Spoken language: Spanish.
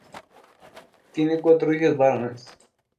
Tiene cuatro hijos varones.